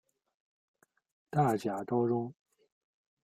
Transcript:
大甲高中